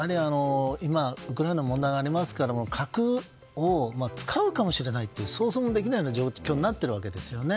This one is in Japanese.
今、ウクライナの問題がありますから核を使うかもしれないという想像もできないような状況になっているわけですよね。